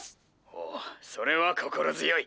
「ほうそれは心強い」。